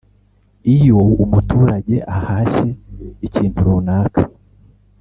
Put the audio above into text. iyo umuturage ahashye ikintu runaka